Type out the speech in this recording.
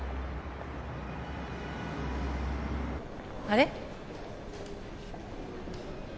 あれ？